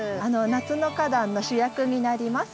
夏の花壇の主役になります。